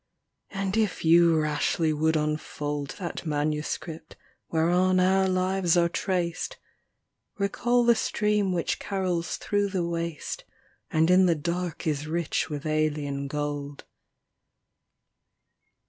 and if you rashly would unfold That manuscript whereon our lives are traced, Recall the stream which carols throŌĆÖ the waste And in the dark is rich with alien gold.